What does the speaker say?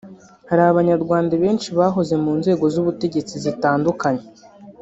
hari abanyarwanda benshi bahoze mu nzego z’ubutegetsi zitandukanye